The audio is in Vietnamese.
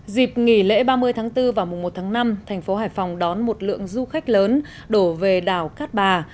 dịp nghỉ lễ ba mươi tháng bốn và mùa một tháng năm thành phố hải phòng đón một lượng du khách lớn đổ về đảo cát bà